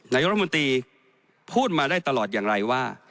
นายรัฐมนตรีพูดมาได้ตลอดอย่างไรว่า